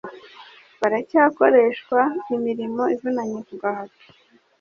Baracyakoreshwa imirimo ivunanye kugahato